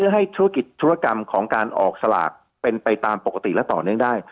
ให้ธุรกิจธุรกรรมของการออกสลากเป็นไปตามปกติและต่อเนื่องได้